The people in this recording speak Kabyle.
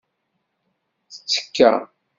Tettekka.